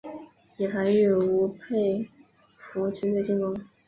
以防御吴佩孚军队进攻。